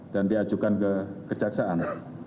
dan diajukan ke kejaksaan